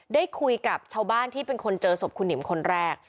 ได้คุยกับชาวบ้านที่เป็นคนเจอศพคุณหนิมคนแรก